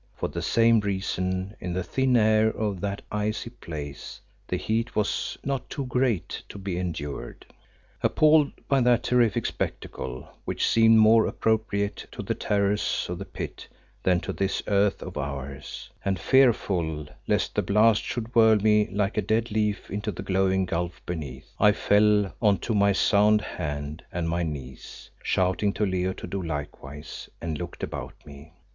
For the same reason, in the thin air of that icy place the heat was not too great to be endured. Appalled by that terrific spectacle, which seemed more appropriate to the terrors of the Pit than to this earth of ours, and fearful lest the blast should whirl me like a dead leaf into the glowing gulf beneath, I fell on to my sound hand and my knees, shouting to Leo to do likewise, and looked about me.